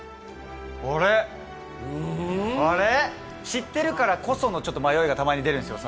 知ってるからこその迷いがたまに出るんですよ